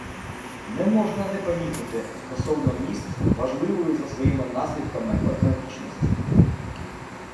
«Не можна не помітити… стосовно міст важливої за своїми наслідками однобічності: